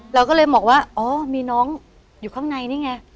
เราก็เลยบอกว่าอ๋อมีน้องอยู่ข้างในนี่ไง